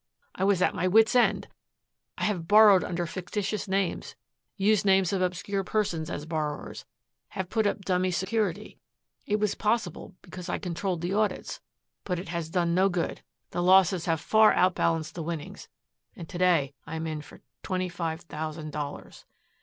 I was at my wits' end. I have borrowed under fictitious names, used names of obscure persons as borrowers, have put up dummy security. It was possible because I controlled the audits. But it has done no good. The losses have far outbalanced the winnings and to day I am in for twenty five thousand dollars."